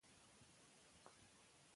ځینې خلک د بدو خوړو له خوا کانګې کوي.